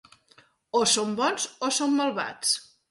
O són bons o són malvats.